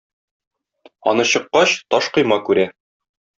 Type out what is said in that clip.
Аны чыккач, таш койма күрә.